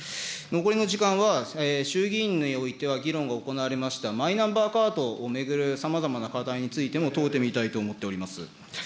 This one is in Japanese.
残りの時間は、衆議院においては議論が行われましたマイナンバーカードを巡るさまざまな課題についても問うてみたいと思っております。